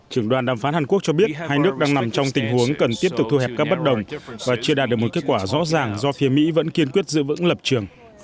trưởng đoàn đàm phán hàn quốc cho biết hai nước đang nằm trong tình huống cần tiếp tục thu hẹp các bất đồng và chưa đạt được một kết quả rõ ràng do phía mỹ vẫn kiên quyết giữ vững lập trường